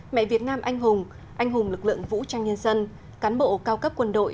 mẹ việt nam anh hùng anh hùng lực lượng vũ trang nhân dân cán bộ cao cấp quân đội